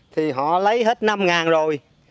thì họ lấy hết năm ngàn rồi